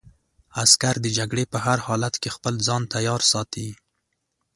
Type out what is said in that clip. عسکر د جګړې په هر حالت کې خپل ځان تیار ساتي.